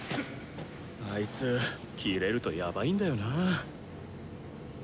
あいつキレるとやばいんだよなぁ。